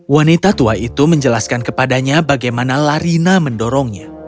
wanita tua itu menjelaskan kepadanya bagaimana larina mendorongnya